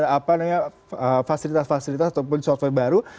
apa namanya fasilitas fasilitas ataupun software baru